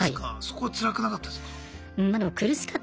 そこはつらくなかったですか？